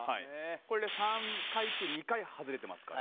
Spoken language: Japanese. これで３回中２回外れてます。